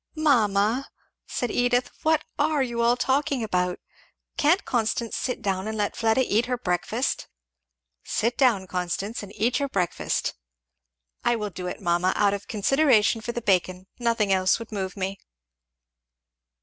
"Mamma," said Edith, "what are you all talking about? Can't Constance sit down and let Fleda eat her breakfast?" "Sit down, Constance, and eat your breakfast!" "I will do it, mamma, out of consideration for the bacon. Nothing else would move me."